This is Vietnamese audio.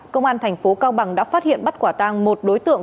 công an thành phố cao bằng đã phát hiện bắt quả tang một đối tượng